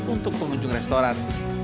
untuk pengunjung restoran